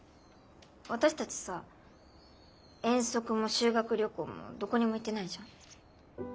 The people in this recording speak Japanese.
私たちさ遠足も修学旅行もどこにも行ってないじゃん。